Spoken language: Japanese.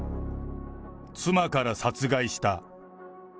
妻から殺害した。